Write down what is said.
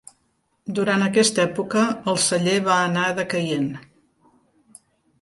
Durant aquesta època el celler va anar decaient.